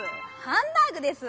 「ハンバーグ」です！